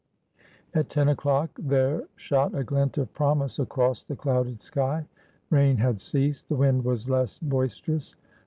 At ten o'clock there shot a glint of promise across the clouded sky; rain had ceased, the wind was less boisterous.